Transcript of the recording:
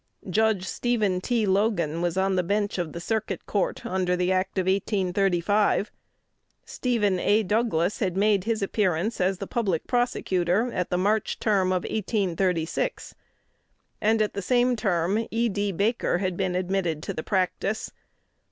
Judge Stephen T. Logan was on the bench of the Circuit Court under the Act of 1835. Stephen A. Douglas had made his appearance as the public prosecutor at the March term of 1836; and at the same term E. D. Baker had been admitted to practice.